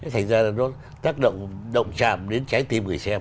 thành ra là nó tác động động trạm đến trái tim người xem